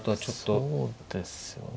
そうですよね。